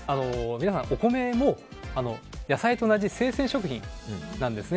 皆さんお米も野菜と同じ生鮮食品なんです。